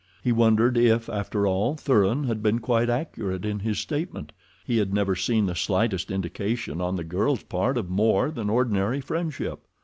He wondered if, after all, Thuran had been quite accurate in his statement. He had never seen the slightest indication on the girl's part of more than ordinary friendship.